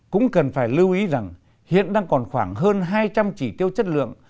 cũng cần phải lưu ý rằng hiện đang còn khoảng hơn hai trăm linh chỉ tiêu chất lượng